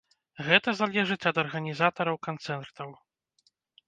Гэта залежыць ад арганізатараў канцэртаў.